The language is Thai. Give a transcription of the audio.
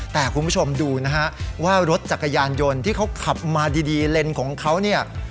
แต่คุณผู้ชมดูนะฮะว่ารถจักรยานยนต์ที่เขาขับมาดีเลนส์ของเขาเนี่ย